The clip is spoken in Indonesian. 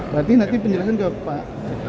berarti nanti penjelasan ke pak